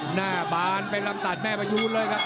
หน้าบานไปลำตาลแม่มายุดเลยครับ